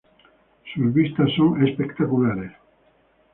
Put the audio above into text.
Sus vistas son espectaculares.